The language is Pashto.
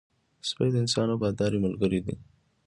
سپی د انسان وفادار ملګری دی